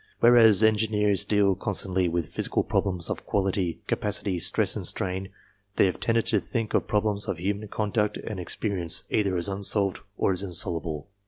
Whereas engineers deal con stantly with physical problems of quality, capacity, stress and strain, they have tended to think of problems of human conduct and experience either as unsolved or as insoluble.